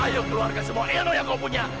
ayo keluarkan semua eno yang kau punya